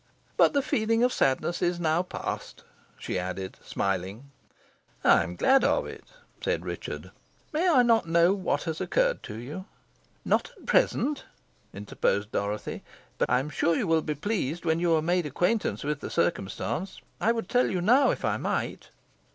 But the feeling of sadness is now past," she added, smiling. "I am glad of it," said Richard. "May I not know what has occurred to you?" "Not at present," interposed Dorothy; "but I am sure you will be pleased when you are made acquainted with the circumstance. I would tell you now if I might."